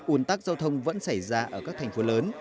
ủn tắc giao thông vẫn xảy ra ở các thành phố lớn